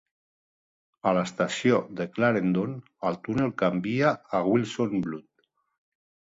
A l'estació de Clarendon, el túnel canvia a Wilson Blvd.